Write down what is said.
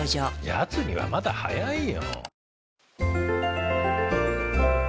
やつにはまだ早いよ。